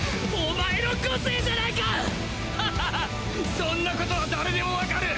そんな事は誰でもわかる！